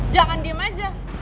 jangan diem aja